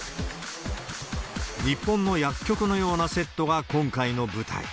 日本の薬局のようなセットが今回の舞台。